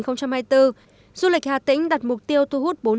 năm hai nghìn hai mươi bốn du lịch hà tĩnh đặt mục tiêu thu hút